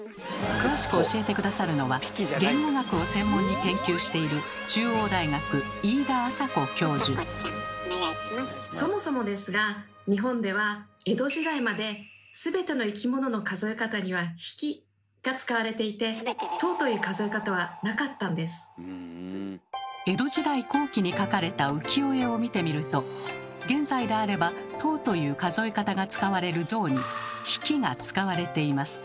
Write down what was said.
詳しく教えて下さるのは言語学を専門に研究しているそもそもですが日本では江戸時代まで全ての生き物の数え方には「匹」が使われていて江戸時代後期に描かれた浮世絵を見てみると現在であれば「頭」という数え方が使われる象に「匹」が使われています。